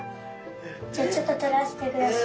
じゃあちょっととらせてください。